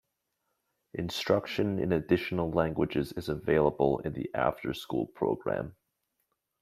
Instruction in additional languages is available in the after school program.